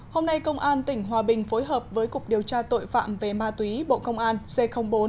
hôm nay công an tỉnh hòa bình phối hợp với cục điều tra tội phạm về ma túy bộ công an c bốn